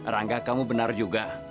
rangga kamu benar juga